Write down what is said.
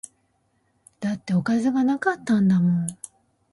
だっておかずが無かったんだもん